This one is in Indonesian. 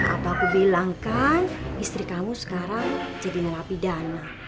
apa aku bilang kan istri kamu sekarang jadi narapidana